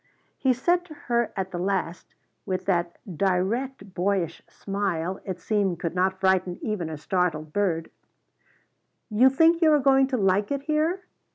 He said to her at the last, with that direct boyish smile it seemed could not frighten even a startled bird: "You think you are going to like it here?"